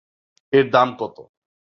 এর দাম কত?